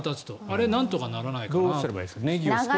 あれ、なんとかならないかな。